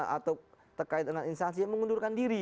atau terkait dengan instansi yang mengundurkan diri